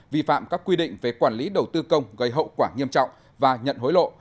vi phạm các quy định về quản lý đầu tư công gây hậu quả nghiêm trọng và nhận hối lộ